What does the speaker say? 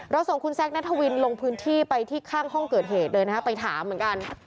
ส่งคุณแซคนัทวินลงพื้นที่ไปที่ข้างห้องเกิดเหตุเลยนะฮะไปถามเหมือนกัน